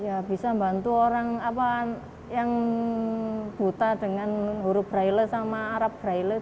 ya bisa bantu orang yang buta dengan huruf braille sama arab braille pak